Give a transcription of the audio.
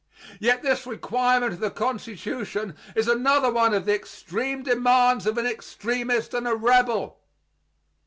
Yet this requirement of the Constitution is another one of the extreme demands of an extremist and a rebel.